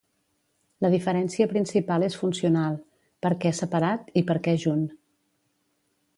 La diferència principal és funcional: per què separat i perquè junt